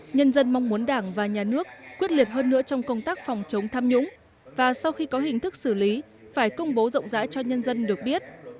nhân dân mong muốn đảng và nhà nước quyết liệt hơn nữa trong công tác phòng chống tham nhũng và sau khi có hình thức xử lý phải công bố rộng rãi cho nhân dân được biết